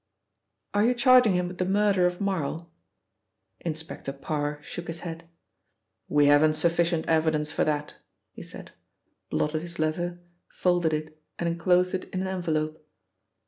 "Are you charging him with the murder of Marl?" Inspector Parr shook his head. "We haven't sufficient evidence for that," he said, blotted his letter, folded it and enclosed it in an envelope.